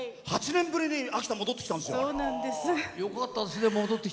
８年ぶりに秋田戻ってきたって。